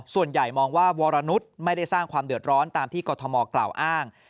ส่วนใหญ่มองว่าวรนุษย์ไม่ได้สร้างความเดือดร้อนตามที่กรทมกล่าวอ้าง